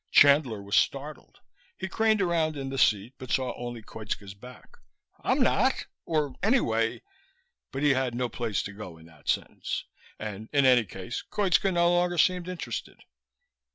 Chandler was startled. He craned around in the seat but saw only Koitska's back. "I'm not! Or anyway " But he had no place to go in that sentence, and in any case Koitska no longer seemed interested.